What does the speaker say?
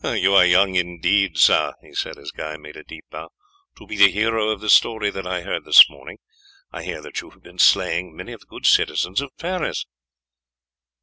"You are young, indeed, sir," he said, as Guy made a deep bow, "to be the hero of the story that I heard this morning. I hear that you have been slaying many of the good citizens of Paris!"